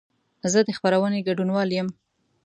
زه د خپرونې ګډونوال یم.